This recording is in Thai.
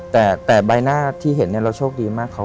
แต่ใบหน้าที่เห็นเราโชคดีมาก